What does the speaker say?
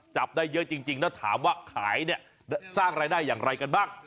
จับได้เยอะจริงแล้วถามว่าขายเนี่ยสร้างรายได้อย่างไรกันบ้าง